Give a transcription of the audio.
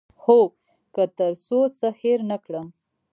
هو، که تر څو څه هیر نه کړم